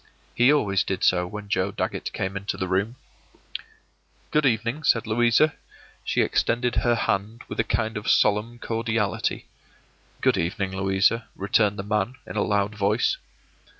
He always did so when Joe Dagget came into the room. “Good evening,” said Louisa. She extended her hand with a kind of solemn cordiality. “Good evening, Louisa,” returned the man, in a loud voice.